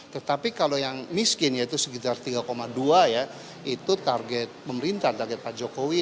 tetapi kalau yang miskin yaitu sekitar tiga dua ya itu target pemerintah target pak jokowi